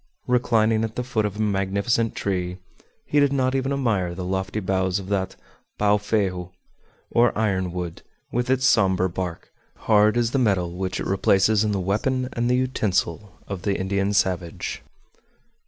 Reclining at the foot of a magnificent tree, he did not even admire the lofty boughs of that "pao ferro," or iron wood, with its somber bark, hard as the metal which it replaces in the weapon and utensil of the Indian savage.